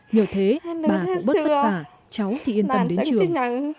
nhờ thế bà cũng bớt vất vả cháu thì yên tâm đến trường